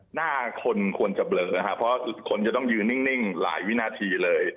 หน้าคนควรจะเบลอนะครับเพราะคนจะต้องยืนนิ่งหลายวินาทีเลย